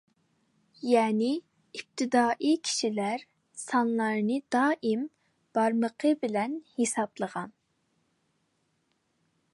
يەنى ئىپتىدائىي كىشىلەر سانلارنى دائىم بارمىقى بىلەن ھېسابلىغان.